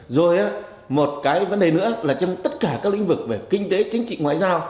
rồi một cái vấn đề nữa là trong tất cả các lĩnh vực về kinh tế chính trị ngoại giao